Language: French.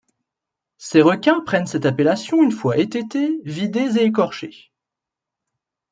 Ces requins prennent cette appellation une fois étêtés, vidés et écorchés.